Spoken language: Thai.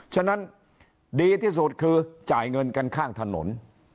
ฉะนั้นดีที่สุดคือจ่ายเงินกันข้างถนน